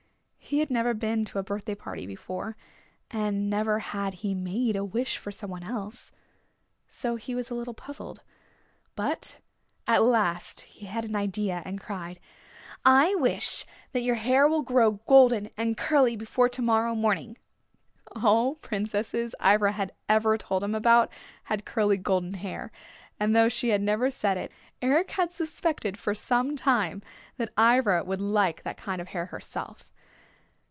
He had never been to a birthday party before, and never had he made a wish for some one else. So he was a little puzzled. But at last he had an idea and cried, "I wish that your hair will grow golden and curly before to morrow morning." All princesses Ivra had ever told him about had curly golden hair, and though she had never said it, Eric had suspected for some time that Ivra would like that kind of hair herself.